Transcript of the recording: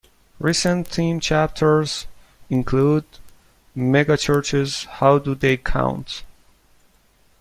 Recent theme chapters include, Megachurches: How do they Count?